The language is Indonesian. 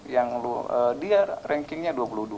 yang dia rankingnya dua puluh dua